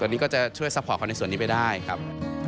ตอนนี้ก็จะช่วยซัพพอร์ตเขาในส่วนนี้ไปได้ครับ